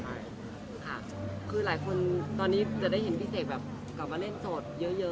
ใช่ค่ะคือหลายคนตอนนี้จะได้เห็นพี่เสกแบบกลับมาเล่นโสดเยอะ